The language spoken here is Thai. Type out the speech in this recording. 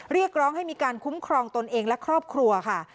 เรียกร้องให้มีการคุ้มครองตนเองและครอบครัวค่ะ